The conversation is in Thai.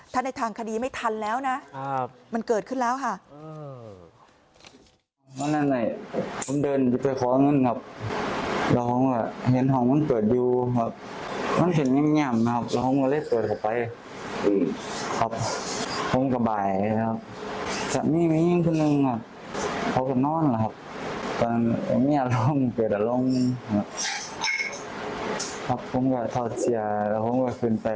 ถ้าในทางคดีไม่ทันแล้วนะมันเกิดขึ้นแล้วค่ะ